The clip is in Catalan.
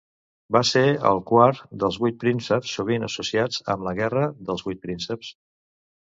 Va ser el quart dels vuit prínceps sovint associats amb la Guerra dels Vuit Prínceps.